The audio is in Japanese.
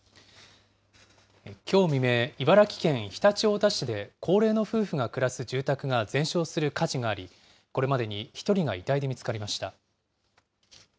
きょう未明、茨城県常陸太田市で高齢の夫婦が暮らす住宅が全焼する火事があり、これまでに１人が遺体で見つかりました。